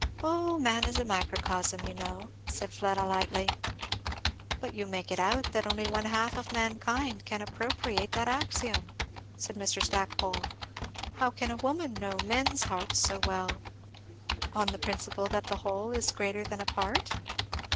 "Oh, 'man is a microcosm,' you know," said Fleda lightly. "But you make it out that only one half of mankind can appropriate that axiom," said Mr. Stackpole. "How can a woman know men's hearts so well?" "On the principle that the whole is greater than a part?"